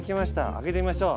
開けてみましょう。